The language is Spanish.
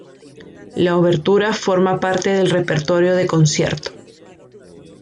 La obertura forma parte del repertorio de concierto.